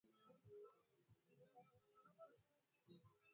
Mfumuko wa bei wa kila mwaka ulifikia saba.